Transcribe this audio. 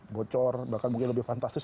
bocor bahkan mungkin lebih fantastis